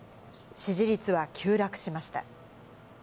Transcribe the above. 支持率は急落しました。